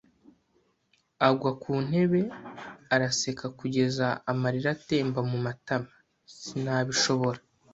Agwa ku ntebe, araseka kugeza amarira atemba mu matama. Sinabishobora